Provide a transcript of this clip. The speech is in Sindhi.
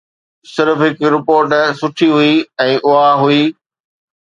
صرف هڪ رپورٽ سٺي هئي ۽ اها هئي.